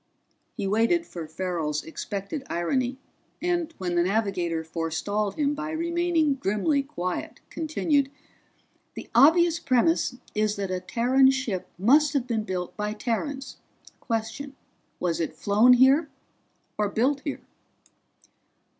He waited for Farrell's expected irony, and when the navigator forestalled him by remaining grimly quiet, continued. "The obvious premise is that a Terran ship must have been built by Terrans. Question: Was it flown here, or built here?"